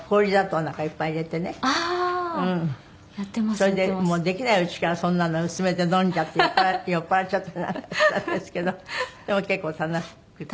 それでもうできないうちからそんなの薄めて飲んじゃって酔っ払っちゃったりなんかしたんですけどでも結構楽しくて。